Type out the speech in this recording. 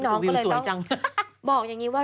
น้องก็เลยต้องบอกอย่างนี้ว่า